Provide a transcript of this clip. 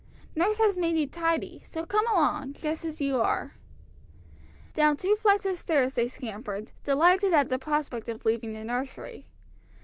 Nurse has made you tidy, so come along, just as you are." Down two flights of stairs they scampered, delighted at the prospect of leaving the nursery.